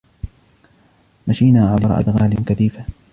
مشينا عبر أدغال كثيفة.